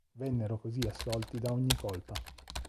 Vennero così assolti da ogni colpa.